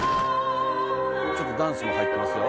ちょっとダンスも入ってますよ。